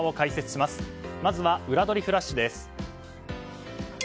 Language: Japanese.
まずは裏取りフラッシュです。